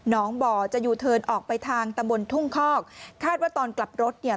น้องบ่อจะยูเทิร์นออกไปทางตำบลทุ่งคอกคาดว่าตอนกลับรถเนี่ย